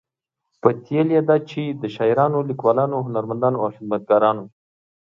پتیلې ده چې د شاعرانو، لیکوالو، هنرمندانو او خدمتګارانو